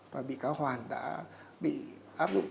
và bị cáo hoàn đã bị áp dụng